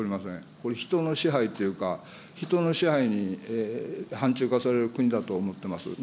これ、人の支配っていうか、人の支配に範ちゅう化される国だと思ってます。